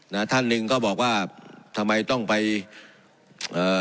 ท่านหนึ่งก็บอกว่าทำไมต้องไปเอ่อ